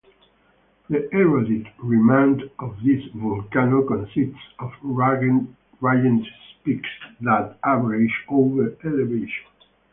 The eroded remnant of this volcano consists of rugged peaks that average over elevation.